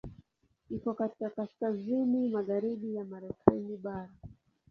Iko katika kaskazini magharibi ya Marekani bara.